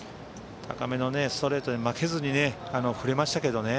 高めのストレートに負けずに振れましたけどね。